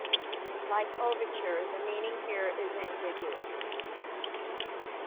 Like "Overture", the meaning here is ambiguous.